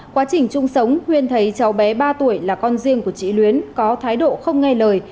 quá trình chung sống huyên thấy cháu bé ba tuổi là con riêng của chị luyến có thái độ không nghe lời